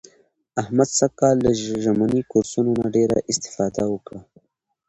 احمد سږ کال له ژمني کورسونو نه ډېره اسفاده وکړه.